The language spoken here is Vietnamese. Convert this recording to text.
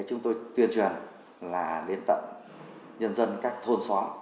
chúng tôi tuyên truyền là đến tận nhân dân các thôn xóm